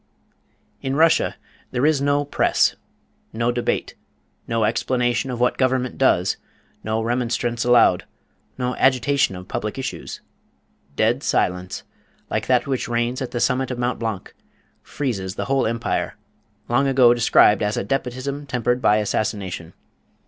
In Russia there is no press, no debate, no explanation of what government does, no remonstrance allowed, no agitation of public issues. Dead silence, like that which reigns at the summit of Mont Blanc, freezes the whole empire, long ago described as "a despotism tempered by assassination."